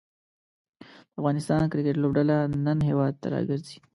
د افغانستان کریکټ لوبډله نن هیواد ته راګرځي.